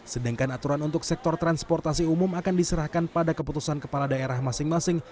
sedangkan aturan untuk sektor transportasi umum akan diserahkan pada keputusan kepala daerah masing masing